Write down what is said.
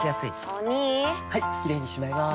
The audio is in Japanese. お兄はいキレイにしまいます！